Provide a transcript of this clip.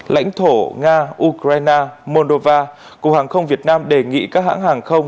lãnh thổ nga ukraine moldova cục hàng không việt nam đề nghị các hãng hàng không